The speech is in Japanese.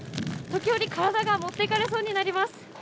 時折、体が持っていかれそうになります。